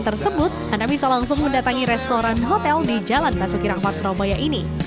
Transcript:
tersebut anda bisa langsung mendatangi restoran hotel di jalan basuki rahmat surabaya ini